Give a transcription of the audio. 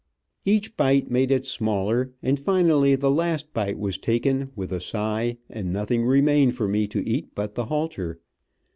Each bite made it smaller, and finally, the last bite was taken, with a sigh, and nothing remained for me to eat but the halter.